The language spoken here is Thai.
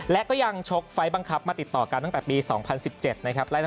และก็ยังชกไฟล์บังคับมาติดต่อกันตั้งแต่ปี๒๐๑๗นะครับ